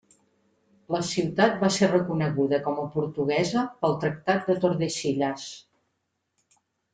La ciutat va ser reconeguda com a portuguesa pel Tractat de Tordesillas.